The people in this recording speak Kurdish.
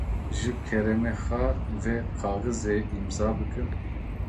Ji kerema xwe vê kaxizê îmze bikin.